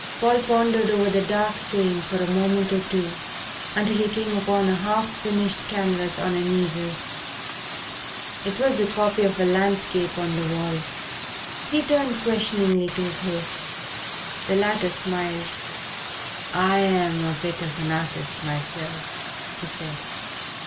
Paul pondered over the dark saying for a moment or two until he came upon a half finished canvas on an easel. It was the copy of a landscape on the wall. He turned questioningly to his host. The latter smiled. "I'm a bit of an artist myself," he said.